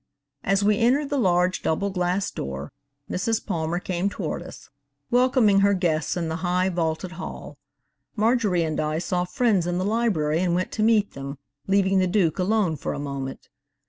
As we entered the large double glass door, Mrs Palmer came toward us, welcoming her guests in the high, vaulted hall. Marjorie and I saw friends in the library and went to meet them, leaving the Duke alone for a moment.